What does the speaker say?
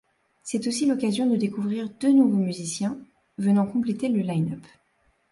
C'est aussi l'occasion de découvrir deux nouveaux musiciens venant compléter le line up.